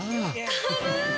軽い！